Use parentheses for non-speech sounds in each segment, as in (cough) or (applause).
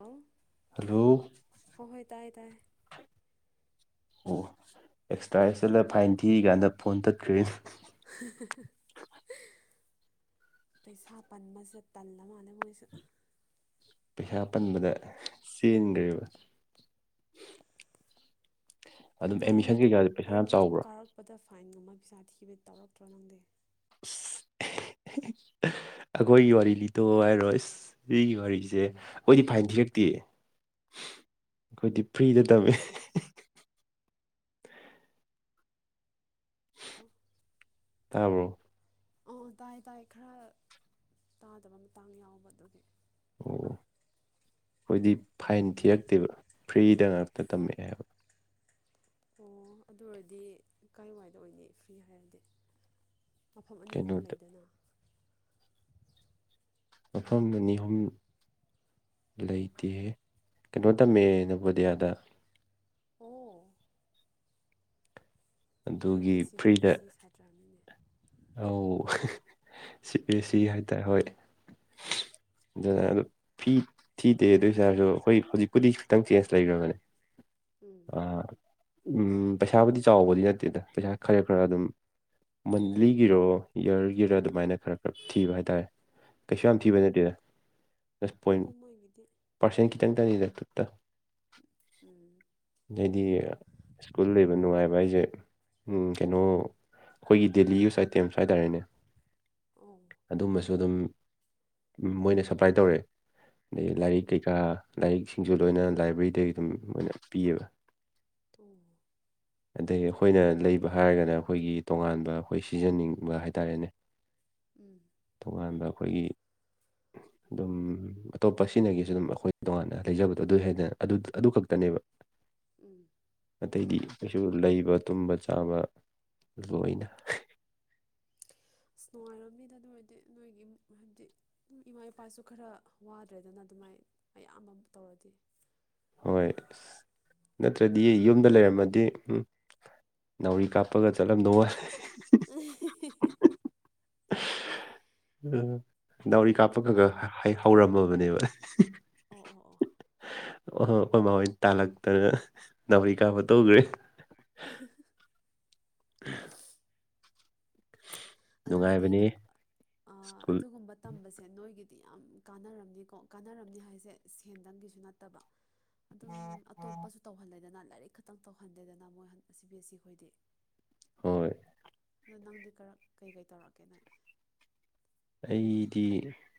ꯑꯝ ꯍꯜꯂꯣ ꯑꯣ ꯑꯦꯛꯁꯇ꯭ꯔꯥ ꯑꯦ꯭ꯗꯓ ꯇꯅꯥ ꯐꯥꯏꯟ ꯊꯤꯔꯤ ꯀꯥꯟꯗ ꯐꯣꯟ ꯇꯠꯈ꯭ꯔꯦꯅꯦ (unintelligible) ꯄꯩꯁꯥ ꯄꯟꯕꯁꯦ ꯇꯜꯂ ꯃꯥꯜꯂꯦ ꯃꯣꯏꯁꯨ ꯄꯩꯁꯥ ꯄꯟꯕꯗ ꯆꯦꯟꯒ꯭ꯔꯦꯕ ꯑꯗꯨꯝ ꯑꯦꯗꯃꯤꯁꯟ ꯅꯪꯗꯤ ꯗꯨꯝ ꯀꯩꯀꯥꯗꯤ ꯄꯩꯁꯥ ꯌꯥꯝ ꯅꯪꯗꯤ ꯗꯨꯝ ꯆꯥꯎꯕ꯭ꯔꯣ ꯀꯥꯔꯛꯄꯗ ꯐꯥꯏꯟꯒꯨꯝꯕ ꯄꯩꯁꯥ ꯊꯤꯕ ꯇꯧꯔꯛꯇ꯭ꯔꯣ ꯅꯪꯗꯤ ꯏꯁ ꯑꯩꯈꯣꯏꯒꯤ ꯋꯥꯔꯤ ꯂꯤꯇꯣꯛꯑꯣ ꯍꯥꯏꯔꯣ ꯏꯁ ꯁꯤꯒꯤ ꯋꯥꯔꯤꯖꯦ ꯑꯣꯏꯗꯤ ꯐꯥꯏꯟ ꯊꯤꯔꯛꯇꯦ ꯑꯩꯈꯣꯏꯗꯤ ꯐ꯭ꯔꯤꯗ ꯇꯝꯃꯦ ꯑꯣ ꯇꯥꯕ꯭ꯔꯣ ꯑꯣ ꯇꯥꯏ ꯇꯥꯏ ꯈꯔ ꯇꯥꯗꯕ ꯃꯇꯥꯡ ꯌꯥꯎꯕ ꯑꯗꯨꯒꯤ ꯑꯈꯣꯏꯗꯤ ꯐꯥꯏꯟ ꯊꯤꯔꯛꯇꯦꯕ ꯐ꯭ꯔꯤꯗ ꯉꯥꯛꯇ ꯇꯝꯃꯛꯑꯦ ꯍꯥꯏꯕ ꯑꯣ ꯑꯗꯨ ꯑꯣꯏꯔꯗꯤ ꯀꯥꯏ ꯋꯥꯏꯗ ꯑꯣꯏꯅꯤ ꯐ꯭ꯔꯤ ꯍꯥꯏꯔꯗꯤ ꯃꯐꯝ ꯑꯅꯤ ꯑꯍꯨꯝ ꯀꯩꯅꯣꯗ ꯂꯩꯗꯅ ꯃꯐꯝ ꯑꯅꯤ ꯑꯍꯨꯝ ꯂꯩꯇꯦꯍꯦ ꯀꯩꯅꯣ ꯇꯝꯃꯦ ꯅꯕꯣꯗꯤꯌꯥꯗ ꯑꯣ ꯑꯗꯨꯒꯤ ꯑꯗꯣꯏꯗꯤ ꯁꯤ ꯕꯤ ꯐ꯭ꯔꯤꯗ ꯑꯦꯁ ꯁꯤ ꯁꯥꯇ꯭ꯔ ꯅꯤꯅꯦ ꯑꯧ ꯁꯤ ꯕꯤ ꯑꯦꯁ ꯁꯤ ꯅꯨꯡꯉꯥꯏ ꯍꯥꯏꯇꯥꯔꯦ ꯍꯣꯏ ꯗꯨꯅ ꯐꯤ ꯊꯤꯗꯦ ꯑꯗꯨꯏꯁꯨ ꯍꯥꯏꯔꯥꯁꯨ ꯍꯥꯏ ꯍꯧꯖꯤꯛꯄꯨꯗꯤ ꯈꯤꯇꯪ ꯆꯦꯟꯖ ꯂꯩꯈ꯭ꯔꯕꯅꯦ ꯎꯝ ꯑ-ꯎꯝ ꯄꯩꯁꯥꯕꯨꯗꯤ ꯆꯥꯎꯕꯗꯤ ꯅꯠꯇꯦꯗ ꯄꯩꯁꯥ ꯈꯔ ꯈꯔ ꯑꯗꯨꯝ ꯎꯝ ꯃꯟꯂꯤꯒꯤꯔꯣ ꯏꯌꯥꯔꯒꯤꯔꯥ ꯑꯗꯨꯃꯥꯏꯅ ꯈꯔ ꯈꯔ ꯊꯤꯕ ꯍꯥꯏꯇꯥꯔꯦ ꯀꯩꯁꯨ ꯌꯥꯝ ꯊꯤꯕ ꯎꯝ ꯅꯠꯇꯦꯗ ꯖꯁ ꯄꯣꯏꯟ ꯍꯣꯏꯗ ꯃꯣꯏꯒꯤꯗꯤ ꯄꯔꯁꯟ ꯀꯇꯪ ꯇꯅꯤ ꯊꯨ꯭ꯠꯇ ꯎꯝ ꯑꯗꯩꯗꯤ ꯁ꯭ꯀꯨꯜ ꯂꯩꯕ ꯅꯨꯡꯉꯥꯏꯕ ꯍꯥꯏꯁꯦ ꯎꯝ ꯀꯩꯅꯣ ꯑꯈꯣꯏꯒꯤ ꯗꯦꯂꯤ ꯌꯨꯁ ꯑꯥꯏꯇꯦꯝꯁ ꯍꯥꯏꯇꯥꯔꯦꯅꯦ ꯑꯣ ꯑꯗꯨꯝꯕꯁꯨ ꯑꯗꯨꯝ ꯃꯣꯏꯅ ꯁꯞꯄ꯭ꯂꯥꯏ ꯇꯧꯔꯛꯑꯦ ꯑꯗꯒꯤ ꯑꯣ ꯂꯥꯏꯔꯤꯛ ꯑꯣ ꯀꯩꯀꯥ ꯂꯥꯏꯔꯤꯛꯁꯤꯡꯁꯨ ꯂꯣꯏꯅꯅ ꯂꯥꯏꯕ꯭ꯔꯦꯔꯤꯗꯒꯤ ꯑꯗꯨꯝ ꯃꯣꯏꯅ ꯄꯤꯌꯦꯕ ꯑꯣ ꯑꯗꯩ ꯑꯩꯈꯣꯏꯅ ꯂꯩꯕ ꯍꯥꯏꯔꯒꯅ ꯑꯩꯈꯣꯏꯒꯤ ꯇꯣꯉꯥꯟꯕ ꯑꯩꯈꯣꯏ ꯁꯤꯖꯟꯅꯤꯡꯕ ꯍꯥꯏꯇꯥꯔꯦꯅꯦ ꯎꯝ ꯇꫭꯉꯥꯟꯕ ꯑꯩꯈꯣꯏꯒꯤ ꯑꯗꯨꯝ ꯑꯇꯣꯞꯄ ꯁꯤꯅꯒꯤꯁꯨ ꯑꯗꯨꯝ ꯑꯈꯣꯏ ꯇꯣꯉꯥꯟꯅ ꯂꯩꯖꯕꯗꯣ ꯑꯗꯨ ꯍꯦꯟꯅ ꯑꯗꯨ ꯑꯗꯨ ꯈꯛꯇꯅꯦꯕ ꯎꯝ ꯑꯇꯩꯗꯤ ꯀꯩꯁꯨ ꯂꯩꯕ ꯇꯨꯝꯕ ꯆꯥꯕ ꯂꯣꯏꯅ ꯑꯁ ꯅꯨꯡꯉꯥꯏꯔꯃꯅꯤꯗ ꯑꯗꯨ ꯑꯣꯏꯗꯤ ꯅꯣꯏꯒꯤ ꯏꯝ ꯍꯥꯏꯕꯗꯤ ꯏꯃꯥ ꯏꯄꯥꯁꯨ ꯈꯔ ꯋꯥꯗ꯭ꯔꯦꯗꯅ ꯑꯗꯨꯃꯥꯏꯅ ꯃꯌꯥꯝ ꯑꯃ ꯇꯧꯔꯗꯤ ꯍꯣꯏ ꯑꯁ ꯅꯠꯇ꯭ꯔꯗꯤ ꯌꯨꯝꯗ ꯂꯩꯔꯝꯃꯗꯤ ꯎꯝ ꯅꯥꯎꯔꯤ ꯀꯥꯞꯄꯒ ꯆꯠꯂꯝꯗꯧ ꯋꯥꯏꯔꯦ unintelligible ꯅꯧꯔꯤꯀꯥꯞꯄ ꯑ ꯈ꯭ꯒꯥ-ꯈ꯭ꯒꯥ ꯍꯩ ꯍꯧꯔꯝꯑꯕꯅꯦꯕ ꯑꯣ ꯑꯣ ꯑꯣ ꯑ ꯍꯣꯏ ꯃꯥꯥ ꯍꯣꯏ ꯇꯥꯜꯂꯛꯇꯅ ꯅꯥꯎꯔꯤ ꯀꯥꯞꯄ ꯇꯣꯛꯈ꯭ꯔꯦ (inaudible) (unintelligible) ꯑꯗꯨ ꯑꯣꯏꯔꯗꯤ ꯅꯨꯡꯉꯥꯏꯕꯅꯦ ꯑꯥ ꯁ꯭ꯀꯨꯜ ꯑꯗꯨꯒꯨꯝꯕ ꯇꯝꯕꯁꯦ ꯅꯣꯏꯒꯤꯗꯤ ꯌꯥꯝ ꯀꯥꯟꯅꯔꯝꯅꯤꯀꯣ ꯀꯥꯟꯅꯔꯝꯅꯤ ꯍꯥꯏꯁꯦ ꯁꯦꯟꯗꯪꯒꯤꯁꯨ ꯅꯠꯇꯕ ꯑꯗꯨꯝ ꯑꯇꯣꯞꯄꯁꯨ ꯇꯧꯍꯜꯂꯦꯗꯅ ꯂꯥꯏꯔꯤꯛ ꯈꯛꯇꯪ ꯇꯧꯍꯜꯗꯦꯗꯅ ꯃꯣꯏ ꯁꯤ ꯕꯤ ꯑꯦꯁ ꯁꯤ ꯍꯣꯏꯗꯤ ꯍꯣꯏ ꯑꯗꯣ ꯅꯪꯗꯤ ꯀꯔꯛ ꯀꯩ ꯀꯩ ꯇꯧꯔꯛꯀꯦ ꯅꯣꯏ ꯑꯩꯗꯤ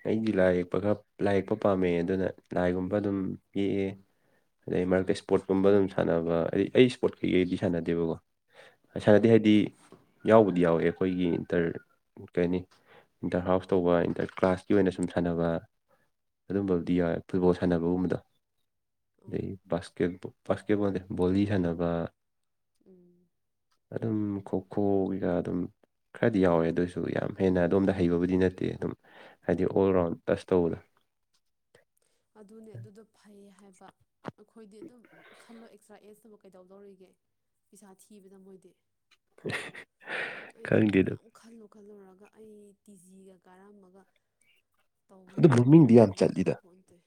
ꯑꯩꯗꯤ ꯂꯥꯏ ꯌꯦꯛꯄ ꯈꯔ ꯂꯥꯏ ꯌꯦꯛꯄ ꯄꯥꯝꯃꯦ ꯑꯗꯨꯅ ꯂꯥꯏꯒꯨꯝꯕ ꯑꯗꯨꯝ ꯌꯦꯛꯑꯦ ꯑꯗꯩ ꯃꯔꯛꯇ ꯏꯁꯄꯣꯔꯠꯀꯨꯝꯕ ꯑꯗꯨꯝ ꯁꯥꯟꯅꯕ ꯑꯩ-ꯑꯩ ꯏꯁꯄꯣꯔꯠ ꯀꯩꯀꯩꯗꯤ ꯁꯥꯟꯅꯗꯦꯕꯀꯣ ꯎꯝ ꯁꯥꯅꯗꯦ ꯍꯥꯏꯗꯤ ꯌꯥꯎꯕꯨꯗꯤ ꯌꯥꯎꯋꯦ ꯑꯩꯈꯣꯏꯒꯤ ꯏꯟꯇꯔ ꯀꯩ ꯍꯥꯏꯅꯤ ꯏꯟꯇꯔ ꯍꯥꯎꯁ ꯇꯧꯕ ꯏꯟꯇꯔ ꯀ꯭ꯂꯥꯁꯀꯤ ꯑꯣꯏꯅ ꯁꯨꯝ ꯁꯥꯟꯅꯕ ꯑꯗꯨꯝꯕꯕꯨꯗꯤ ꯌꯥꯢ ꯐꯨꯠꯕꯣꯜ ꯁꯥꯟꯅꯕꯒꯨꯝꯕꯗ ꯎꯝ ꯑꯗꯩ ꯕꯥꯀꯦꯠ ꯕꯥꯁꯀꯦꯠꯕꯣꯜ ꯕꯣꯂꯤ ꯁꯥꯟꯅꯕ ꯎꯝ ꯑꯗꯨꯝ ꯈꯣꯈꯣꯒꯤꯒꯥ ꯑꯗꯨꯝ ꯈꯔꯗꯤ ꯌꯥꯎꯋꯦ ꯑꯗꯨꯑꯣꯏꯁꯨ ꯌꯥꯝ ꯍꯦꯟꯅ ꯑꯗꯣꯝꯗ ꯍꯩꯕꯕꯨꯗꯤ ꯅꯠꯇꯦ ꯑꯗꯨꯝ ꯍꯥꯏꯗꯤ ꯑꯣꯜ ꯎꯝ ꯔꯥꯎꯟ ꯇꯁ ꯇꯧꯕꯗꯣ ꯑꯗꯨꯅꯦ ꯑꯗꯨꯗꫭ ꯐꯩꯌꯦ ꯍꯥꯏꯕ ꯑꯈꯣꯏꯗꯤ ꯑꯗꯨꯝ ꯈꯜꯂꯣ ꯑꯦꯛꯁꯇ꯭ꯔꯥ ꯑꯦꯁꯇꯕꯨ ꯀꯩꯗꯧꯗꯧꯔꯤꯒꯦ ꯄꯩꯁꯥ ꯊꯤꯕꯗ ꯃꯣꯏꯗꯤ ꯑꯩꯗꯤ ꯑꯩ ꯈꯪꯗꯦꯗ ꯌꯥꯝ ꯈꯜꯂꯨ ꯈꯜꯂꯨꯔꯒ ꯑꯩ ꯇꯤꯖꯤꯒ ꯀꯥꯔꯝꯃꯒ ꯑꯗꯨ ꯇꯧꯕꯅꯕꯨ ꯒ꯭ꯔꯨꯃꯤꯡꯗꯤ ꯌꯥꯝ ꯇꯣꯡꯉꯝꯒꯗ꯭ꯔꯥ ꯆꯠꯂꯤꯗ ꯈꯪꯄꯣꯟꯇꯦ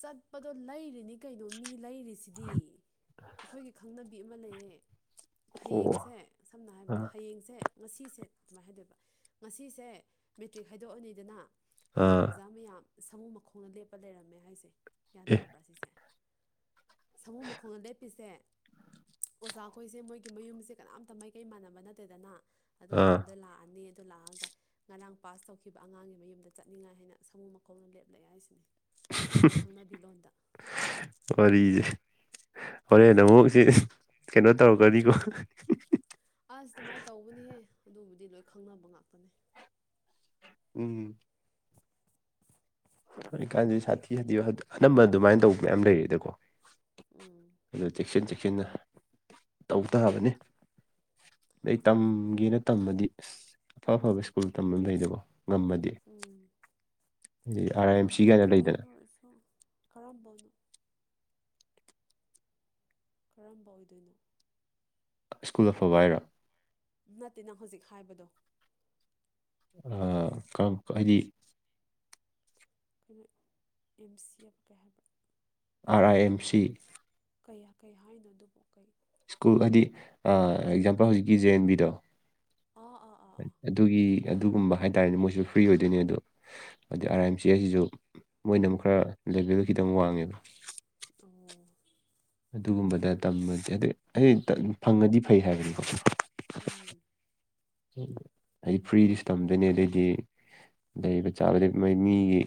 ꯆꯠꯄꯗꯣ ꯂꯩꯔꯤꯅꯤ ꯀꯩꯅꯣ ꯃꯤ ꯂꯩꯔꯤꯁꯤꯗꯤ ꯑꯩꯈꯣꯏꯒꯤ ꯈꯪꯅꯕꯤ ꯑꯃ ꯂꯩꯌꯦ ꯑꯣ ꯍꯌꯦꯡꯁꯦ ꯁꯝꯅ ꯍꯥꯏꯕꯗ ꯑꯥ ꯍꯌꯦꯡꯁꯦ ꯉꯁꯤꯁꯦ ꯑꯗꯨꯃꯥꯏꯅ ꯍꯥꯏꯗꯣꯏꯕ ꯉꯁꯤꯁꯦ ꯃꯦꯇ꯭ꯔꯤꯛ ꯍꯥꯏꯗꯣꯛꯑꯅꯤꯗꯅ ꯍꯌꯦꯡ ꯑꯥ ꯑꯣꯖꯥ ꯃꯌꯥꯝ ꯁꯥꯃꯨ ꯃꯈꯣꯡꯗ ꯂꯦꯞꯄ ꯂꯩꯔꯝꯃꯦ ꯍꯥꯏꯁꯦ ꯒ꯭ꯌꯥꯟ ꯑꯦ ꯇꯥꯕ꯭ꯔꯥ ꯁꯤꯁꯦ ꯁꯃꯨ ꯃꯈꯣꯡꯗ ꯂꯦꯞꯄꯤꯁꯦ ꯑꯣꯖꯥꯈꯣꯏꯁꯦ ꯃꯣꯏꯒꯤ ꯃꯌꯨꯝꯁꯦ ꯀꯅꯥꯝꯇ ꯃꯥꯏꯀꯩ ꯃꯥꯟꯅꯕ ꯅꯠꯇꯦꯗꯅ ꯑꯗꯣ ꯑꯥ ꯃꯌꯥꯝꯗ ꯂꯥꯛꯑꯅꯤ ꯑꯗꯨ ꯂꯥꯛꯑꯒ ꯉꯔꯥꯡ ꯄꯥꯁ ꯇꯧꯈꯤꯕ ꯑꯉꯥꯡꯒꯤ ꯃꯌꯨꯝꯗ ꯆꯠꯅꯤꯡꯉꯥꯏ ꯍꯥꯏꯅ ꯁꯃꯨ ꯃꯈꯣꯡꯗ ꯂꯦꯞ ꯂꯩ ꯍꯥꯏꯁꯤꯅꯦ ꯑꯩꯈꯣꯏ ꯈꯪꯅꯕꯤ ꯂꯣꯟꯗ ꯋꯥꯔꯤꯁꯦ ꯍꯣꯔꯦꯟ ꯑꯃꯨꯛꯁꯤ ꯀꯩꯅꯣ ꯇꯧꯔꯛꯀꯅꯤꯀꯣ ꯑꯁ ꯑꯗꯨꯃꯥꯏ ꯇꯧꯕꯅꯤꯍꯦ ꯑꯗꯨꯕꯨꯗꯤ ꯂꯣꯏ ꯈꯪꯅꯕ ꯉꯥꯛꯇꯅꯦ ꯎꯝ inaudible ꯍꯧꯖꯤꯛꯀꯥꯟꯁꯤ ꯁꯥꯊꯤ ꯁꯥꯊꯤꯕ ꯑꯅꯝꯕ ꯑꯗꯨꯃꯥꯏꯅ ꯇꯧꯕ ꯃꯌꯥꯝ ꯂꯩꯔꯦꯗꯀꯣ ꯎꯝ ꯑꯗꯨ ꯆꯦꯛꯁꯤꯟ ꯆꯦꯛꯁꯤꯟꯅ ꯇꯧꯇꯕꯅꯤ ꯑꯗꯩ ꯇꯝ ꯒꯦꯅ ꯇꯝꯃꯗꯤ ꯑꯁ ꯑꯐ ꯑꯐꯕ ꯁ꯭ꯀꯨꯜ ꯇꯝꯕ ꯂꯩꯗꯀꯣ ꯉꯝꯃꯗꯤ ꯎꯝ ꯍꯥꯏꯗꯤ ꯑꯥꯔ ꯑꯥꯏ ꯑꯦꯝ ꯁꯤ ꯐꯕꯨꯗꯤ ꯀꯥꯏꯅ ꯐꯩ ꯂꯩꯗꯅ ꯑꯗꯨ ꯑꫭꯏꯔꯁꯨ ꯀꯔꯝꯕꯅꯣ ꯀꯔꯝꯕ ꯑꯣꯏꯗꯣꯏꯅꯣ ꯁ꯭ꯀꯨꯜ ꯑꯐꯕ ꯍꯥꯏꯔꯣ ꯅꯠꯇꯦ ꯅꯪ ꯍꯧꯖꯤꯛ ꯍꯥꯏꯕꯗꯣ ꯑ ꯀꯔꯝ-ꯍꯥꯏꯗꯤ ꯑꯩꯈꯣꯏꯅ ꯑꯦꯝ ꯁꯤ ꯑꯦꯕ ꯀ ꯍꯥꯏꯕ꯭ꯔꯥ ꯑꯥꯔ ꯑꯥꯏ ꯑꯦꯝ ꯁꯤ ꯀꯌꯥ ꯀꯩ ꯍꯥꯏꯅꯣ ꯑꯗꯨꯕꯣ ꯀꯩ ꯁ꯭ꯀꯨꯜ ꯍꯥꯏꯗꯤ ꯑ ꯑꯦꯛꯖꯥꯝꯄꯜ ꯍꯧꯖꯤꯛꯀꯤ ꯖꯦ ꯑꯦꯟ ꯕꯤꯗꯣ ꯑꫭ ꯑꫭ ꯑꫭ ꯑꫭ ꯑꯗꯨꯒꯤ ꯑꯗꯨꯒꯨꯝꯕ ꯍꯥꯏꯇꯥꯔꯦꯅꯦ ꯃꯣꯏꯁꯨ ꯐ꯭ꯔꯤ ꯑꯣꯏꯗꯣꯏꯅꯦ ꯑꯗꯣ ꯍꯥꯗꯩ ꯑꯥꯔ ꯑꯥꯏ ꯑꯦꯝ ꯁꯤ ꯍꯥꯏꯁꯤꯁꯨ ꯃꯣꯏꯅ ꯑꯃꯨꯛ ꯈꯔ ꯂꯦꯕꯦꯜꯗ ꯈꯤꯇꯪ ꯋꯥꯡꯉꯦꯕ ꯑꯣ ꯑꯗꯨꯒꯨꯝꯕꯗ ꯇꯝꯕꯁꯦ ꯑꯗꯩ ꯑꯩ ꯐꯪꯉꯗꯤ ꯐꯩ ꯍꯥꯏꯕꯅꯤꯀꯣ ꯎꯝ ꯍꯥꯏꯗꯤ ꯐ꯭ꯔꯤꯗꯁꯨ ꯇꯝꯗꯣꯏꯅꯤ ꯑꯗꯨꯗꯩꯗꯤ ꯂꯩꯕ ꯆꯥꯕꯗꯤ ꯃꯣꯏ ꯃꯤꯒꯤ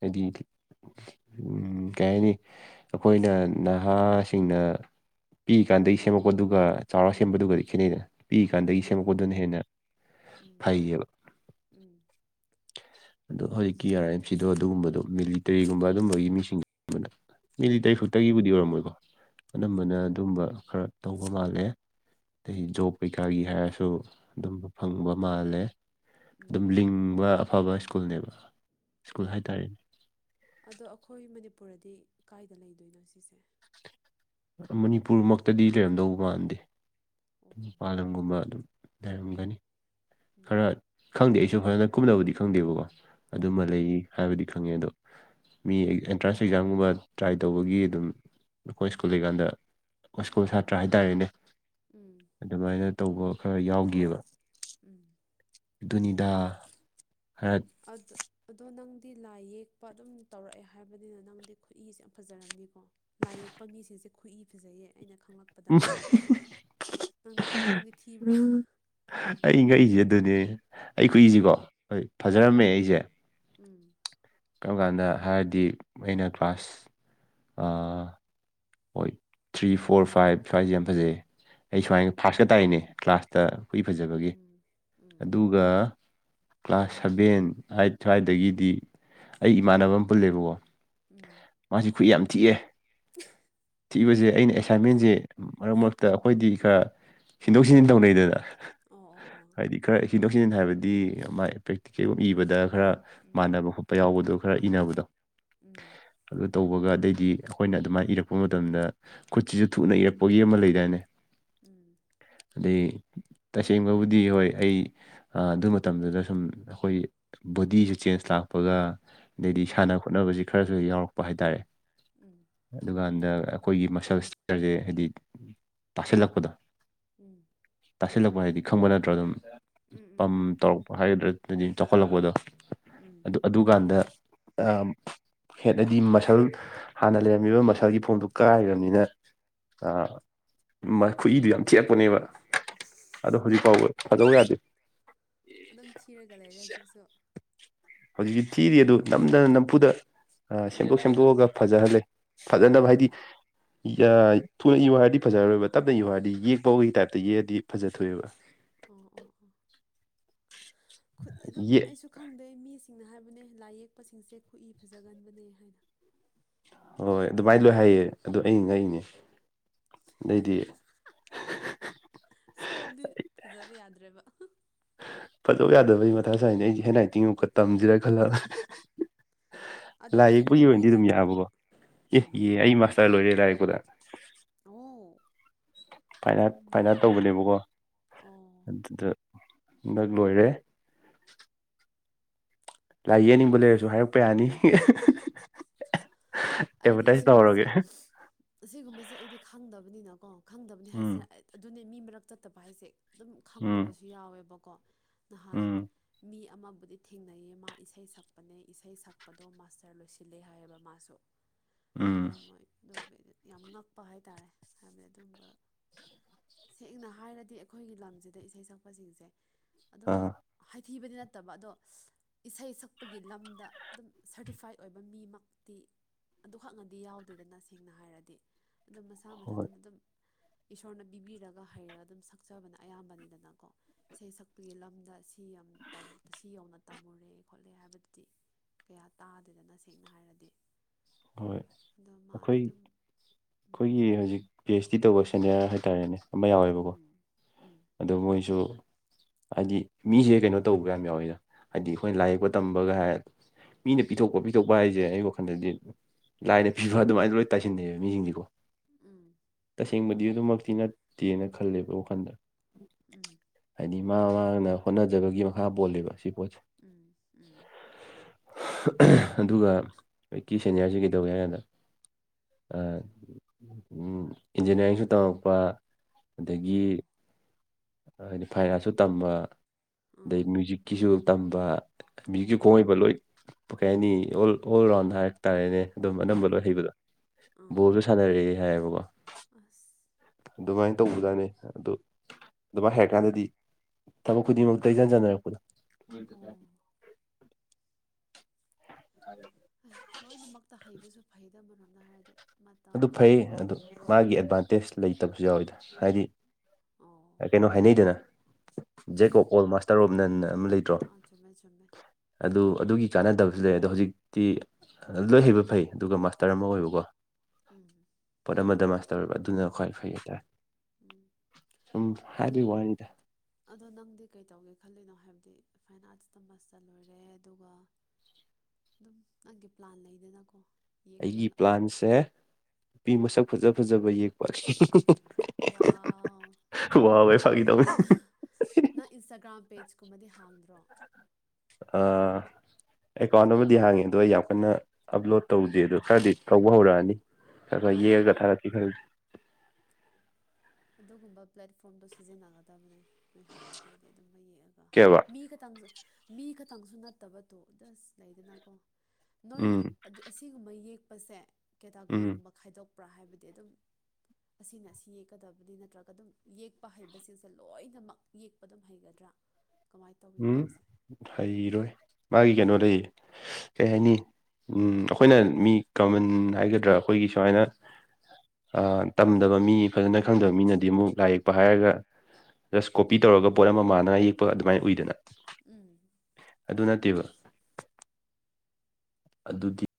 ꯍꯥꯏꯗꯤ ꯎ ꯀꯩ ꯍꯥꯏꯅꯤ ꯑꯩꯈꯣꯏꯅ ꯅꯍꯥꯁꯤꯡꯅ ꯄꯤꯛꯏꯀꯥꯟꯗꯒꯤ ꯁꯦꯝꯃꯛꯄꯗꯨꯒ ꯆꯥꯎꯔꯥ ꯁꯦꯝꯕꯗꯨꯒꯗꯤ ꯈꯦꯠꯅꯩꯩꯗꯅ ꯄꯤꯛꯏꯀꯥꯟꯗꯒꯤ ꯁꯦꯝꯃꯛ ꯈꯦꯠꯅꯩꯌꯦ ꯗꯨꯅ ꯍꯦꯟꯅ ꯎꯝ ꯐꯩꯌꯦꯕ ꯎꯝ ꯑꯗꯣ ꯍꯧꯖꯤꯛꯀꯤ ꯑꯥꯔ ꯑꯥꯏ ꯑꯦꯝ ꯁꯤꯗꯣ ꯑꯗꯨꯒꯨꯝꯕꯗꯣ ꯃꯤꯂꯤꯇꯔꯤꯒꯨꯝꯕ ꯑꯗꯨꯝꯕꯒꯤ ꯃꯤꯁꯤꯡꯕꯗ ꯃꯤꯗꯤ ꯇ ꯑꯣ ꯐꯨꯛꯇꯒꯤꯕꯨꯗꯤ ꯑꯣꯏꯔꯝꯃꯣꯏꯀꯣ ꯑꯅꯝꯕꯅ ꯎꯝ ꯑꯗꯨꯝꯕ ꯈꯔ ꯇꯧꯕ ꯃꯥꯜꯂꯦ ꯑꯗꯒꯤ ꯖꯣꯕ ꯀꯩꯀꯥꯒꯤ ꯍꯥꯏꯔꯁꯨ ꯑꯗꯨꯝ ꯐꯪꯕ ꯃꯥꯜꯂꯦ ꯑꯗꯨꯝ ꯎꯝ ꯂꯤꯡꯕ ꯑꯐꯕ ꯁ꯭ꯀꯨꯜꯅꯦꯕ ꯑꯣ ꯁ꯭ꯀꯨꯜ ꯍꯥꯏꯇꯥꯔꯦꯅꯦ ꯑꯗꯣ ꯑꯈꯣꯏ ꯃꯅꯤꯄꯨꯔꯗꯤ ꯀꯥꯏꯗ ꯂꯩꯗꯣꯏꯅꯣ ꯁꯤꯁꯦ? ꯃꯅꯤꯄꯨꯔꯃꯛꯇꯗꯤ ꯂꯩꯔꯝꯗꯧ ꯃꯥꯟꯗꯦ ꯑꯣ ꯃꯄꯥꯟꯂꯝꯒꯨꯝꯕ ꯑꯗꯨꯝ ꯂꯩꯔꯝꯒꯅꯤ ꯈꯔ ꯎꯝ ꯈꯪꯗꯦ ꯑꯩꯁꯨ ꯐꯖꯅ ꯀꯨꯞꯅꯕꯗꯤ ꯈꯪꯗꯦꯕꯀꯣ ꯑꯣ ꯑꯗꯨꯃ ꯑꯣ ꯂꯩ ꯍꯥꯏꯕꯗꯤ ꯈꯪꯉꯦ ꯑꯗꯣ ꯃꯤ ꯑꯦꯟꯇ꯭ꯔꯥꯟꯁ ꯑꯦꯛꯖꯥꯝꯒꯨꯝꯕ ꯇ꯭ꯔꯥꯏ ꯇꯧꯕꯒꯤ ꯑꯗꯨꯝ ꯑꯩꯈꯣꯏ ꯁ꯭ꯀꯨꯜ ꯂꯩꯀꯥꯟꯗ ꯁ꯭ꯀꯨꯜ ꯁꯥꯇ꯭ꯔ ꯍꯥꯏꯇꯥꯔꯦꯅꯦ꯫ ꯎꯝ ꯑꯗꯨꯃꯥꯏꯅ ꯇꯧꯕ ꯈꯔ ꯌꯥꯎꯒꯤꯑꯕ ꯎꯝ ꯑꯗꯨꯅꯤꯗꯥ ꯍꯔꯠ ꯑꯗ ꯑꯗꯣ ꯅꯪꯗꯤ ꯂꯥꯏ ꯌꯦꯛꯄ ꯑꯗꯨꯝ ꯇꯧꯔꯛꯑꯦ ꯍꯥꯏꯕꯅꯤꯅ ꯅꯪꯗꯤ ꯈꯨꯠꯏꯁꯦ ꯌꯥꯝ ꯐꯖꯔꯝꯅꯤꯀꯣ ꯂꯥꯏ ꯌꯦꯛꯄ ꯃꯤꯁꯤꯡꯁꯦ ꯈꯨꯠꯏ ꯐꯖꯩꯌꯦ ꯑꯩꯅ ꯈꯪꯂꯛ ꯄꯗ ꯅꯪꯗꯤ ꯅꯪꯗꯤ ꯊꯤꯕ꯭ꯔꯥ? ꯎꯝ ꯑꯩ ꯉꯛꯏꯖꯦ ꯑꯗꯨꯅꯦ ꯑꯩ ꯈꯨꯠꯏꯖꯦꯀꯣ ꯍꯣꯏ ꯎꯝ ꯐꯖꯔꯝꯃꯦ ꯑꯩꯖꯦ ꯎꯝ ꯀꯔꯝ ꯀꯥꯟꯗ ꯍꯥꯏꯔꯗꯤ ꯑꯩꯅ ꯀ꯭ꯂꯥꯁ ꯑꯥ ꯍꯣꯏ ꯊ꯭ꯔꯤ ꯐꯣꯔ ꯐꯥꯏꯚ ꯁ꯭ꯋꯥꯏꯁꯦ ꯌꯥꯝ ꯐꯖꯩꯌꯦ꯫ ꯑꯩ ꯎꯝ ꯁ꯭ꯋꯥꯏꯅ ꯐꯥꯔꯁꯀ ꯇꯥꯏꯅꯦ ꯀ꯭ꯂꯥꯁꯇ ꯈꯨꯏ ꯐꯖꯕꯒꯤ ꯎꯝ ꯎꯝ ꯑꯗꯨ ꯗꯨꯒ ꯀ꯭ꯂꯥꯁ ꯁꯚꯦꯟ ꯑꯥꯏꯠ ꯁ꯭ꯋꯥꯏꯗꯒꯤꯗꯤ ꯑꯩ ꯏꯃꯥꯟꯅꯕ ꯑꯃ ꯄꯨꯜꯂꯦꯕꯀꯣ ꯎꯝ ꯃꯥꯁꯤ ꯈꯨꯠꯏ ꯌꯥꯝ ꯊꯤꯑꯦ ꯊꯤꯕꯖꯦ ꯑꯩꯅ ꯑꯦꯁꯥꯏꯟꯃꯦꯟꯖ‌ꯦ ꯃꯔꯛ ꯃꯔꯛꯇ ꯑꯩꯈꯣꯏꯗꯤ ꯈꯔ ꯁꯤꯟꯗꯣꯛ ꯁꯤꯟꯖꯤꯟ ꯇꯧꯅꯩꯗꯅ ꯑꯣ ꯑꯣ ꯑꯣ ꯍꯥꯏꯗꯤ ꯈꯔ ꯁꯤꯟꯗꯣꯛ ꯁꯤꯖꯤꯟ ꯍꯥꯏꯕꯗꯤ ꯃꯥꯏ ꯄ꯭ꯔꯦꯛꯇꯤꯀꯦꯜ ꯏꯕꯗ ꯈꯔ ꯎꯝ ꯎꯝ ꯃꯥꯟꯅꯕ ꯈꯣꯠꯄ ꯌꯥꯎꯕꯗꯣ ꯈꯔ ꯏꯅꯕꯗꯣ ꯎꯝ ꯑꯗꯨ ꯇꯧꯕꯒ ꯑꯗꯩꯗꯤ ꯑꯩꯈꯣꯏꯅ ꯑꯗꯨꯃꯥꯏꯅ ꯏꯔꯛꯄ ꯃꯇꯝꯗ ꯈꯨꯠꯁꯤꯁꯨ ꯊꯨꯅ ꯏꯔꯛꯄꯒꯤ ꯑꯃ ꯂꯩ ꯗꯥꯏꯅ‌ꯦ ꯎꯝ ꯑꯗꯩ ꯇꯁꯦꯡꯕꯕꯨꯗꯤ ꯍꯣꯏ ꯑꯩ ꯑ ꯑꯗꯨ ꯃꯇꯝꯗꯨꯗ ꯁꯨꯝ ꯑꯩꯈꯣꯏ ꯕꯣꯗꯤꯁꯨ ꯆꯦꯟꯖ ꯂꯥꯛꯄꯒ ꯑꯗꯩꯗꯤ ꯎꯝ ꯏꯁꯥꯅ ꯍ‌ꯣꯠꯅꯕꯁꯤ ꯈꯔꯁꯨ ꯌꯥꯎꯔꯛꯄ ꯍꯥꯏꯇꯥꯔꯦ ꯎꯝ ꯑꯗꯨꯀꯥꯟꯗ ꯑꯩꯈꯣꯏꯒꯤ ꯃꯁꯜ ꯁ꯭ꯇꯔꯁꯦ ꯍꯥꯏꯗꯤ ꯇꯥꯁꯤꯜꯂꯛꯄꯗꯣ ꯎꯝ ꯇꯥꯁꯤꯜꯂꯛꯄ ꯍꯥꯏꯗꯤ ꯈꯪꯕ ꯅꯠꯇ꯭ꯔꯣ ꯑꯗꯨꯝ ꯎꯝ ꯎꯝ ꯄꯝ ꯈꯪꯉꯦ ꯈꯪꯉꯦ ꯇꯧꯔꯛꯄ ꯍꯥꯏꯒꯗ꯭ꯔꯥ ꯗꯨꯗꯤ ꯆꯥꯎꯈꯠꯂꯛꯄꯗꯣ ꯎꯝ ꯑꯗꯨ ꯑꯗꯨꯀꯥꯟꯗ ꯑꯥ ꯍꯦꯠꯅꯗꯤ ꯃꯁꯜ ꯍꯥꯟꯅ ꯂꯩꯔꯝꯃꯤꯕ ꯃꯁꯜ ꯏꯁꯥꯒꯤ ꯐꯣꯝꯗꯨ ꯀꯥꯏꯈ꯭ꯔꯕꯅꯤꯅ ꯑꯥ ꯈꯨꯠꯏꯗꯨ ꯌꯥꯝ ꯊꯤꯔꯛꯄꯅꯦꯕ ꯑꯗꯣ ꯍꯧꯖꯤꯛ ꯐꯥꯎꯕ ꯐꯖꯧ ꯌꯥꯗꯦ ꯑꯗꯨꯝ ꯊꯤꯔꯒ ꯂꯩꯔꯦ ꯍꯧꯖꯤꯛꯁꯨ ꯍꯧꯖꯤꯛꯁꯨ ꯊꯤꯔꯤ ꯑꯗꯨ ꯅꯝꯗꯅ ꯅꯝꯐꯨꯗ ꯑ ꯁꯦꯝꯗꯣꯛ ꯁꯦꯝꯗꯣꯛꯑꯒ ꯐꯖꯍꯜꯂꯦ꯫ ꯐꯖꯅꯕ ꯍꯥꯏꯗꯤ ꯎꯝ ꯌꯥꯏ ꯊꯨꯅ ꯏꯌꯨ ꯍꯥꯏꯔꯗꯤ ꯐꯖꯔꯔꯣꯏꯕ ꯇꯞꯅ ꯏꯌꯨ ꯍꯥꯏꯔꯗꯤ ꯌꯦꯛꯄꯒꯤ ꯇꯥꯏꯞꯇ ꯌꯦꯛꯑꯗꯤ ꯐꯖ ꯊꯣꯛꯑꯦꯕ꯫ ꯑꯣ ꯑꯣ ꯑꯣ ꯈꯨꯗꯤ ꯑꯗꯨꯝ ꯌꯦꯛ ꯑꯩꯁꯨ ꯈꯪꯗ‌ꯦ ꯃꯤꯁꯤꯡꯅ ꯍꯥꯏꯕꯅꯦ ꯂꯥꯏ ꯌꯦꯛꯄꯁꯤꯡꯁꯦ ꯈꯨꯠꯏ ꯐꯖꯒꯟꯕꯅꯦ ꯍꯥꯏꯅ ꯍꯣꯏ ꯑꯗꯨꯃꯥꯏꯅ ꯂꯣꯏ ꯍꯥꯏꯌꯦ ꯑꯗꯨ ꯑꯩꯅ ꯉꯛꯏꯅꯦ ꯑꯗꯩꯗꯤ ꯁꯣꯝꯗꯤ ꯐꯖꯕ ꯌꯥꯗ꯭ꯔꯦꯕ ꯐꯖꯧ ꯌꯥꯗꯕꯩ ꯃꯊꯥ ꯁꯥꯏꯅꯦ ꯑꯩꯖ‌ꯦ ꯍꯦꯟ ꯔꯥꯏꯇꯤꯡ ꯑꯃꯨꯛꯀ ꯇꯝꯁꯤꯔꯥ ꯈꯜꯂꯛꯑ ꯑꯗꯣ ꯂꯥꯏ ꯍꯧꯖꯤꯛ ꯌꯦꯛꯄꯒꯤ ꯑꯣꯏꯅꯗꯤ ꯑꯗꯨꯝ ꯌꯦꯛꯏꯕ꯭ꯔꯣ ꯌꯥꯕꯀꯣ ꯑꯦ ꯎꯝ ꯑꯦ ꯑꯩ ꯃꯥꯁꯇꯔ ꯂꯣꯏꯔꯦ ꯂꯥꯏ ꯌꯦꯛꯄꯗ ꯑꯣ ꯐꯥꯏꯟ ꯑꯥꯔꯠ ꯌꯥꯝ ꯐꯥꯏꯟ ꯑꯥꯔ꯭ꯠ ꯅꯩꯌꯦ ꯇꯧꯕꯅꯦꯕꯀꯣ ꯑꯣ ꯑꯗꯨꯗ‌ꯣ ꯍꯟꯗꯛ ꯂꯣꯏꯔꯦ ꯂꯥꯏ ꯌꯦꯛꯍꯟꯅꯤꯡꯕ ꯂꯩꯔꯁꯨ ꯍꯥꯏꯔꯛꯄ ꯌꯥꯅꯤ꯫ ꯑꯩꯗꯤ ꯑꯦꯗꯚꯔꯇꯥꯏꯁ ꯑꯁꯤꯒꯨꯝꯕꯁꯦ ꯇꯧꯔꯒꯦ ꯑꯁꯤꯒꯨꯝꯕꯁꯦ ꯑꯩꯗꯤ ꯈꯪꯗꯕꯅꯤꯅꯀꯣ ꯈꯪꯗꯕꯅꯤ ꯎꯝ ꯍꯥꯏꯁꯦ ꯑꯗꯨꯅꯦ ꯃꯤ ꯃꯔꯛ ꯆꯠꯇꯕ ꯍꯥꯏꯁꯦ꯫ ꯑꯗꯨꯝ ꯎꯝ ꯈꯪꯗꯕꯁꯨ ꯌꯥꯎꯋꯦꯕꯀꯣ ꯅꯍꯥꯟ ꯎꯝ ꯃꯤ ꯑꯃꯕꯨꯗꯤ ꯊꯦꯡꯅꯩꯌꯦ ꯃꯥ ꯏꯁꯩ ꯁꯛꯄꯅꯦ ꯏꯁꯩ ꯁꯛꯄꯗꯣ ꯃꯥꯁꯇꯔ ꯂꯣꯏꯁꯤꯜꯂꯦ ꯍꯥꯏꯌꯦꯕ ꯃꯥꯁꯨ꯫ ꯑꯗ ꯎꯝ ꯃꯣꯏ ꯑꯗꯨ ꯑꯣꯏꯕꯩ ꯌꯥꯝ ꯉꯛꯄ ꯍꯥꯏ ꯇꯔꯦ ꯍꯥꯏꯕꯗꯤ ꯑꯗꯨꯝꯕ ꯁꯦꯡꯅ ꯍꯥꯏꯔꯗꯤ ꯑꯩꯈꯣꯏꯒꯤ ꯂꯝꯁꯤꯗ ꯏꯁꯩ ꯁꯛꯄꯁꯤꯡꯁꯦ ꯑꯗꯨꯝ ꯑꯥ ꯍꯥꯏꯊꯤꯕꯗꯤ ꯅꯠꯇꯕ ꯑꯗꯣ ꯏꯁꯩ ꯁꯛꯄꯒꯤ ꯂꯝꯗ ꯑꯗꯨꯝ ꯁꯔꯇꯤꯐꯥꯏꯠ ꯑꯣꯏꯕ ꯃꯤꯃꯛꯇꯤ ꯑꯗꯨ ꯍꯛꯅꯗꯤ ꯌꯥꯎꯗꯦꯗꯅ ꯁꯦꯡꯅ ꯍꯥꯏꯔꯗꯤ ꯑꯗꯨꯝ ꯃꯁꯥ ꯍꯣꯏ ꯃꯊꯟꯗꯅ ꯑꯗꯨꯝ ꯏꯁꯣꯔꯅ ꯄꯤꯕꯤꯔꯒ ꯍꯩꯔꯒ ꯑꯗꯨꯝ ꯁꯛꯆꯕꯅ ꯑꯌꯥꯝꯕꯅꯤꯗꯅꯀꯣ꯫ ꯏꯁꯩ ꯁꯛꯄꯒꯤ ꯂꯝꯗ ꯁꯤ ꯌꯥꯝ ꯇꯝ ꯁꯤ ꯌꯧꯅ ꯇꯝꯃꯨꯔꯦ ꯈꯣꯠꯂꯦ ꯍꯥꯏꯕꯗꯨꯗꯤ ꯀꯌꯥ ꯇꯥꯗꯦꯗꯅ ꯁꯦꯡꯅ ꯍꯥꯏꯔꯗꯤ ꯍꯣꯏ ꯑꯗꯣ ꯑꯩꯈꯣꯏ ꯃꯥꯗꯤ ꯑꯗꯨꯝ ꯎꯝ ꯑꯩꯈꯣꯏꯒꯤ ꯍꯧꯖꯤꯛ ꯄꯤ ꯑ‌ꯦꯆ ꯗꯤ ꯇꯧꯕ ꯁꯦꯅꯤꯌꯔ ꯍꯥꯏꯇꯥꯔꯦꯅꯦ ꯑꯃ ꯌꯥꯎꯋꯦꯕꯀꯣ ꯎꯝ ꯑꯗꯣ ꯃꯣꯏꯁꯨ ꯍꯥꯏꯗꯤ ꯃꯤꯖꯦ ꯀꯩꯅꯣ ꯇꯧꯕ ꯌꯥꯝ ꯌꯥꯎꯋꯤꯗ ꯍꯥꯏꯗꯤ ꯑꯩꯈꯣꯏꯅ ꯂꯥꯏ ꯌꯦꯛꯄ ꯇꯝꯕꯒ ꯍꯥꯏ ꯃꯤꯅ ꯄꯤꯊꯣꯛꯄ ꯄꯤꯊꯣꯛꯄ ꯍꯥꯏꯁꯦ ꯑꯩ ꯋꯥꯈꯜꯗꯗꯤ ꯂꯥꯏꯅ ꯄꯤꯕ ꯑꯗꯨꯃꯥꯏꯅ ꯂꯣꯏ ꯇꯥꯏꯁꯤꯟꯅꯩꯕ ꯃꯤꯁꯤꯡꯁꯤꯀꯣ ꯎꯝ ꯇꯁꯦꯡꯕꯗꯤ ꯑꯗꯨꯃꯛꯇꯤ ꯅꯠꯇꯦꯅ ꯈꯜꯂꯦꯕ ꯋꯥꯈꯟꯗ꯫ ꯎꯝ ꯍꯥꯏꯗꯤ ꯃꯥ ꯃꯥꯅ ꯍꯣꯠꯅꯖꯕꯒꯤ ꯃꯈꯥ ꯄꯣꯜꯂꯦꯕ ꯁꯤ ꯄꯣꯠꯁꯦ ꯎꯝ ꯎꯝ ꯑꯗꯨꯒ ꯑꯩꯀꯤ ꯁꯦꯅꯤꯌꯥꯔꯁꯦ ꯀꯩꯗꯧꯒꯦ ꯍꯥꯏ ꯀꯥꯟꯗ ꯑ ꯎꯝ ꯏꯟꯖꯤꯟꯅꯤꯌꯥꯔꯤꯡꯁꯨ ꯇꯝꯃꯛꯄ ꯑꯗꯥꯒꯤ ꯎꯝ ꯍꯥꯏꯗꯤ ꯐꯥꯏꯟ ꯑꯥꯔꯠꯁꯨ ꯇꯝꯕ ꯑꯗꯩ ꯎꯝ ꯃ꯭ꯌꯨꯖꯤꯛꯀꯤꯁꯨ ꯇꯝꯕ ꯑꯣ ꯑꯥ ꯃ꯭ꯌꯨꯖꯤꯛꯆꯨ ꯑꯣ ꯈꯣꯡ ꯍꯩꯕ ꯂꯣꯏ ꯀꯩ ꯍꯥꯏꯅꯤ ꯑꯣꯜ ꯔꯥꯎꯟꯗ ꯍꯥꯏ ꯇꯥꯔꯦꯅꯦ ꯑꯗꯨꯝ ꯑꯅꯝꯕ ꯑꯥ ꯂꯣꯏ ꯍꯩꯕꯗꯣ ꯑꯥ ꯕꯣꯜꯖꯨ ꯁꯥꯟꯅꯔꯛꯑꯦ ꯍꯥꯏꯌꯦꯕꯀꯣ ꯑꯁ ꯑꯗꯨꯃꯥꯏ ꯇꯧꯕꯖꯥꯅꯤ ꯑꯗꯨ ꯑꯗꯨꯃꯥꯏ ꯍꯩꯔꯀꯥꯟꯗꯗꯤ ꯊꯕꯛ ꯈꯨꯗꯤꯡꯃꯛꯇ ꯏꯆꯟ ꯆꯟꯅꯔꯛꯄꯗꯣ ꯑꯣ (unintelligible) ꯍꯩ ꯂꯣꯏꯅꯃꯛꯇ ꯍꯩꯕꯁꯨ ꯐꯩꯗ ꯑꯃꯔꯣꯝꯗ ꯍꯥꯏꯔꯗꯤ ꯃꯇꯝ ꯑꯗꯨ ꯐꯩ ꯑꯗꯨ ꯃꯥꯒꯤ ꯑꯦꯗꯚꯥꯟꯇꯦꯖ ꯂꯩꯇꯕꯁꯨ ꯌꯥꯎꯋꯤꯗ ꯍꯥꯏꯗꯤ ꯑꯣ ꯀꯩꯅꯣ ꯍꯥꯏꯅꯩꯗꯅ jack of all master of none ꯑꯅ ꯑꯃ ꯂꯩ ꯑꯥ ꯆꯨꯝꯃꯦ - ꯆꯨꯝꯃꯦ꯫ ꯑꯗꯨ ꯑꯗꯨꯒꯤ ꯀꯥꯟꯅꯗꯕꯁꯨ ꯂꯩ ꯑꯗꯣ ꯍꯧꯖꯤꯛꯇꯤ ꯂꯣꯏ ꯍꯩꯕ ꯐꯩ ꯑꯗꯨꯒ ꯃꯥꯁꯇꯔ ꯑꯃ ꯑꯣꯏꯕꯀꯣ ꯎꯝ ꯄꯣꯠ ꯑꯃꯗ ꯃꯥꯁꯇꯔ ꯑꯣꯏꯕ ꯑꯗꯨꯅ ꯈ꯭ꯋꯥꯏ ꯐꯩ ꯍꯥꯏꯇꯥꯔꯦ꯫ ꯁꯨꯝ ꯎꯝ ꯍꯥꯏꯕꯩ ꯋꯥꯅꯤꯗ ꯑ ꯑꯗꯣ ꯅꯪꯗꯤ ꯀꯩꯇꯧꯒꯦ ꯈꯜꯂꯤꯅꯣ ꯍꯥꯏꯕꯗꯤ ꯐꯥꯏꯟꯑꯥꯔꯁꯇ ꯃꯥꯁꯇꯔ ꯂꯣꯏꯔꯦ ꯑꯗꯨꯒ ꯑꯗꯨꯝ ꯅꯪꯒꯤ ꯄ꯭ꯂꯥꯟ ꯂꯩꯗꯅꯀꯣ ꯌꯦꯛꯄ ꯑꯩꯒꯤ ꯄ꯭ꯂꯥꯟꯁꯦ ꯅꯨꯄꯤ ꯃꯁꯛ ꯐꯖ ꯐꯖꯕ ꯌꯦꯛꯄ ꯋꯥꯎ ꯋꯥꯎꯋꯦ ꯐꯥꯒꯤ ꯇꯧꯕꯅꯦ ꯑꯗ ꯅꯪ ꯏꯟꯁꯇꯥꯒ꯭ꯔꯥꯝ ꯄꯦꯖꯀꯨꯝꯕꯗꯤ ꯍꯥꯡꯗ꯭ꯔꯣ ꯑ ꯑꯦꯀꯥꯎꯟ ꯑꯃꯗꯤ ꯍꯥꯡꯉꯤ ꯑꯗꯣ ꯑꯩ ꯌꯥꯝ ꯀꯟꯅ ꯑꯞꯂꯣꯗ ꯇꯧꯗꯦ ꯑꯗꯣ ꯈꯔꯗꯤ ꯇꯧꯕ ꯍꯧꯔꯛꯑꯅꯤ ꯈꯔ ꯈꯔ ꯇꯧꯍꯦ ꯌꯦꯛꯑꯒ ꯊꯥꯒꯠꯀꯦ ꯂꯥꯏꯛ ꯈꯜꯂꯤ ꯑꯗꯨꯒꯨꯝꯕ ꯄ꯭ꯂꯦꯠꯐꯣ꯭ꯔꯝꯗ ꯁꯤꯖꯤꯟꯅꯒꯗꯕꯅꯦ ꯅꯣꯏ ꯍꯩꯕ ꯈꯣꯏꯗꯤ ꯑꯗꯨꯝꯕ ꯌꯦꯛꯑꯒ ꯀꯩꯕ ꯃꯤ ꯈꯇꯪ ꯃꯤ ꯈꯛꯇꯪꯁꯨ ꯅꯠꯇꯕ ꯇꯣ ꯗꯁ ꯂꯩꯗꯅꯀꯣ ꯅꯣꯏ ꯎꯝ ꯑꯁꯤꯒꯨꯝꯕ ꯌꯦꯛꯄꯁꯦ ꯎꯝ ꯀꯦꯇꯥꯒꯣꯔꯤꯒꯨꯝꯕ ꯈꯥꯏꯗꯣꯛꯄ꯭ꯔꯥ ꯍꯥꯏꯕꯗꯤ ꯑꯗꯨꯝ ꯑꯁꯤꯅ ꯁꯤ ꯀꯗꯕꯅꯤ ꯅꯠꯇ꯭ꯔꯒ ꯑꯗꯨꯝ ꯌꯦꯛꯄ ꯍꯩꯕꯁꯤꯡꯁꯦ ꯂꯣꯏꯅꯃꯛ ꯌꯦꯛꯄ ꯑꯗꯨꯝ ꯍꯩꯒꯗ꯭ꯔꯥ ꯀꯃꯥꯏ ꯇꯧꯕꯤꯅ‌ꯣ ꯎꯝ ꯅ‌ꯣꯏꯁꯦ ꯍꯩꯔꯣꯏ ꯃꯥꯒꯤ ꯀꯩꯅꯣ ꯗꯤ ꯀꯩ ꯍꯥꯏꯅꯤ ꯎꯝ ꯑꯩꯈꯣꯏꯅ ꯃꯤ ꯀꯃꯟ ꯍꯥꯏꯒꯗ꯭ꯔꯥ ꯑꯩꯈꯣꯏꯒꯤ ꯁꯨꯃꯥꯏꯅ ꯑ ꯇꯝꯗꯕ ꯃꯤ ꯐꯖꯅ ꯈꯪꯗꯕ ꯃꯤꯅꯗꯤ ꯑꯃꯨꯛ ꯂꯥꯏꯔꯤꯛ ꯄ ꯍꯥꯏꯔꯒ ꯖꯁ ꯀꯣꯄꯤ ꯇꯧꯔꯒ ꯄꯣꯠ ꯑꯃ ꯃꯥꯟꯅꯉꯥꯏ ꯌꯦꯛꯄ ꯑꯗꯨꯃꯥꯏꯅ ꯎꯏꯗꯅ ꯎꯝ ꯑꯗꯨ ꯅꯠꯇꯦꯕ ꯑꯗꯨꯗꯤ